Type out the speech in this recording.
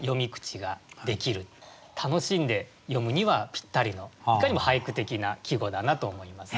楽しんで詠むにはぴったりのいかにも俳句的な季語だなと思います。